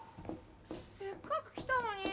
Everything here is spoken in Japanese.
せっかく来たのに。